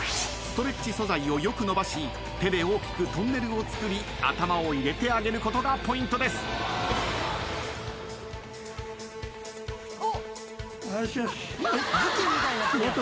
ストレッチ素材をよく伸ばし手で大きくトンネルを作り頭を入れてあげることがポイントです。